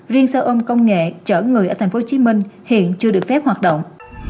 riêng sơ ôm công nghệ chở người ở tp hcm hiện chưa được phép hoạt động